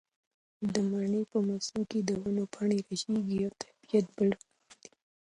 د مني په موسم کې د ونو پاڼې ژېړېږي او طبیعت بل رنګ اخلي.